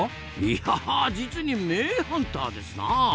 いや実に名ハンターですなあ！